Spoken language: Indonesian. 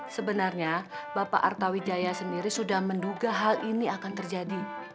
sebenarnya bapak arta wijaya sendiri sudah menduga hal ini akan terjadi